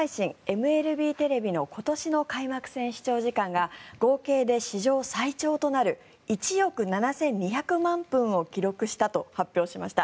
ＭＬＢテレビの今年の開幕戦視聴時間が合計で史上最長となる１億７２００万分を記録したと発表しました。